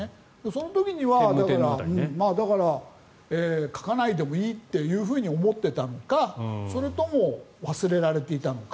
その時には、書かないでもいいと思っていたのかそれとも忘れられていたのか。